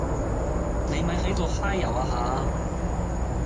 你咪喺度揩油呀吓